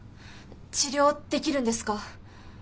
治療できるんですか？